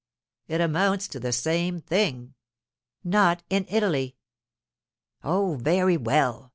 'It amounts to the same thing.' 'Not in Italy.' 'Oh, very well.